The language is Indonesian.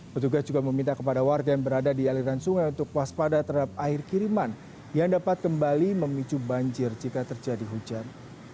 petugas juga meminta kepada warga yang berada di aliran sungai untuk waspada terhadap air kiriman yang dapat kembali memicu banjir jika terjadi hujan